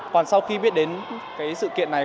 còn sau khi biết đến sự kiện này